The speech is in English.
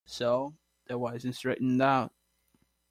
So that was straightened out.